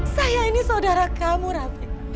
saya ini saudara kamu raffi